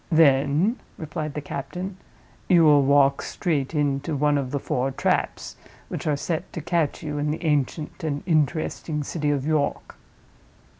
"Then," replied the captain, "you will walk straight into one of the four traps which are set to catch you in the ancient and interesting city of York.